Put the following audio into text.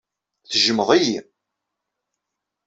Tejjmeḍ-iyi.